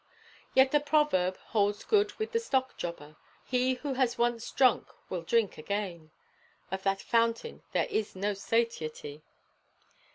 Yet the proverb holds good with the stock jobber. 'He who has once drunk will drink again.' Of that fountain there is no satiety.